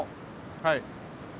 はい。